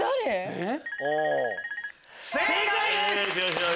えっ？